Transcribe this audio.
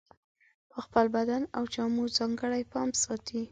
په خپل بدن او جامو ځانګړی پام ساتي.